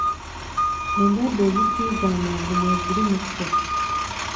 Endwadde ezisiiga amangu mweziri mu ffe.